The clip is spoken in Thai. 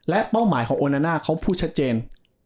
เป้าหมายของโอนาน่าเขาพูดชัดเจน